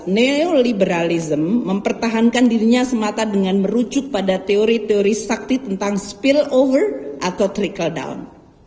neoliberalism mempertahankan dirinya semata dengan merujuk pada teori teori sakti tentang spill over atau trickle down